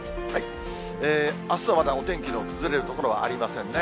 あすはまだお天気の崩れる所はありませんね。